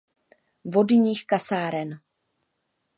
Vodních kasáren.